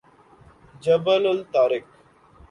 جبل الطارق